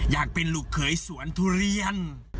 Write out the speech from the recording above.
อยากเป็นลูกเขยสวนทุเรียน